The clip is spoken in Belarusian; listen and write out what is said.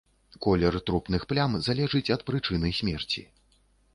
Колер трупных плям залежыць ад прычыны смерці.